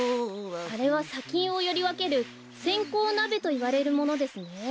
あれはさきんをよりわけるせんこうなべといわれるものですね。